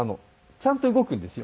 ちゃんと動くんですよ。